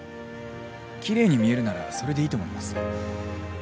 きれいに見えるならそれでいいと思います。